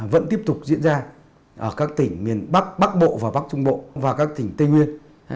vẫn tiếp tục diễn ra ở các tỉnh miền bắc bắc bộ và bắc trung bộ và các tỉnh tây nguyên